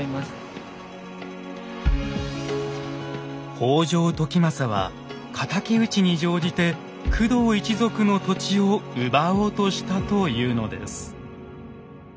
北条時政は敵討ちに乗じて工藤一族の土地を奪おうとしたというのです。